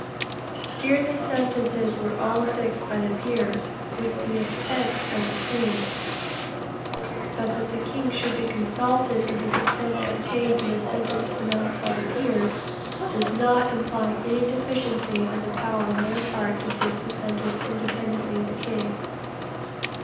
Here the sentences were all fixed by the peers, with the assent of the king. But that the king should be consulted, and his assent obtained to the sentence pronounced by the peers, does not imply any deficiency of power on their part to fix the sentence independently of the king.